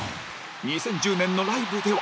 ２０１０年のライブでは